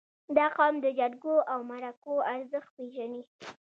• دا قوم د جرګو او مرکو ارزښت پېژني.